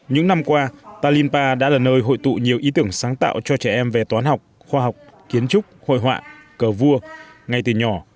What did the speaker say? những năm qua talinpa đã là nơi hội tụ nhiều ý tưởng sáng tạo cho trẻ em về toán học khoa học kiến trúc hội họa cờ vua ngay từ nhỏ